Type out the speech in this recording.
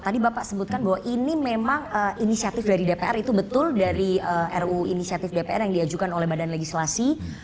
tadi bapak sebutkan bahwa ini memang inisiatif dari dpr itu betul dari ruu inisiatif dpr yang diajukan oleh badan legislasi